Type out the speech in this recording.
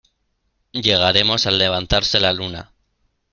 llegaremos al levantarse la luna.